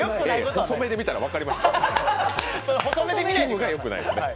細目で見たら分かりましたよ。